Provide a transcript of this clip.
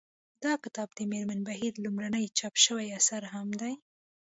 دا کتاب د مېرمن بهیر لومړنی چاپ شوی اثر هم دی